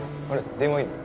電話いいの？